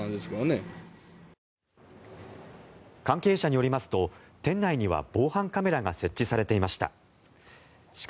関係者によりますと店内には防犯カメラが設置されていました。